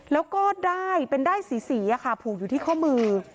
แล้วก็ด้ายที่สีผูกอยู่ที่ข้อมือ